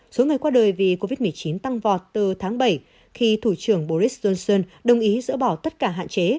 số người qua đời vì covid một mươi chín tăng vọt từ tháng bảy khi thủ trưởng boris johnson đồng ý dỡ bỏ tất cả hạn chế